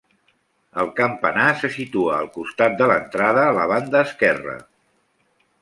El campanar se situa al costat de l'entrada a la banda esquerra.